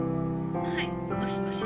☎はいもしもし？